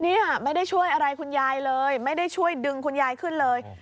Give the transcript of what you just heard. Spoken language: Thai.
เนี่ยไม่ได้ช่วยอะไรคุณยายเลยไม่ได้ช่วยดึงคุณยายขึ้นเลย